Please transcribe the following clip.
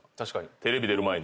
テレビ出る前に。